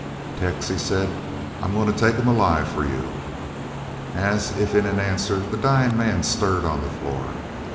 "Tex," he said, "I'm goin' to take him alive for you!" As if in answer the dying man stirred on the floor.